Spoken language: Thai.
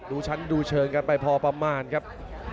ดูชั้นดูเชิงกันไปพอประมาณครับ